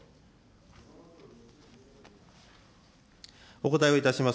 お答えをいたします。